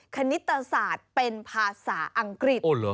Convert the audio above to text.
คณิตศาสตร์เป็นภาษาอังกฤษ